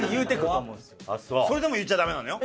それでも言っちゃダメなのよ。